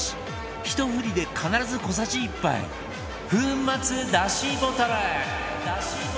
ひと振りで必ず小さじ１杯粉末だしボトル